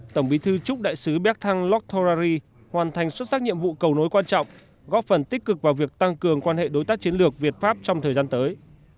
tổng bí thư chúc đại sứ bec thăng loctorary hoàn thành xuất sắc nhiệm vụ cầu nối quan trọng góp phần tích cực vào việc tăng cường quan hệ đối tác chiến lược việt pháp trong thời gian tới